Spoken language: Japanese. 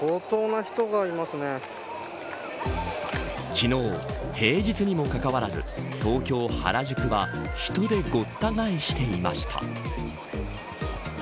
昨日、平日にもかかわらず東京、原宿は人でごった返していました。